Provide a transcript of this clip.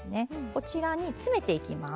こちらに詰めていきます。